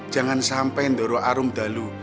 jangan sampai doro arung dalu